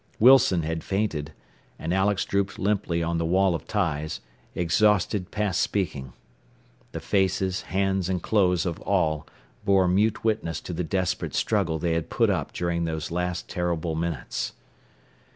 Wilson had fainted, and Alex drooped limply on the wall of ties, exhausted past speaking. The faces, hands and clothes of all bore mute witness to the desperate struggle they had put up during those last terrible minutes.